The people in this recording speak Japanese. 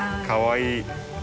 かわいい。